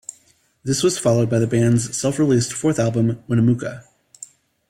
This was followed by the band's self-released fourth album, "Winnemucca".